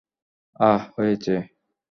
আহ, হয়েছে।